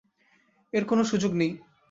এর কোন সুযোগ নেই!